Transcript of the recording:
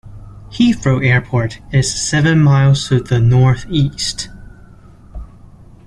Heathrow Airport is seven miles to the north-east.